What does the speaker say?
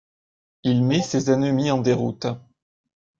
Il met ses ennemis en déroute.